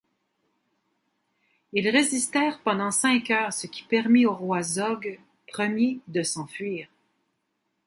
Ils résistèrent pendant cinq heures ce qui permit au roi Zog Ier de s'enfuir.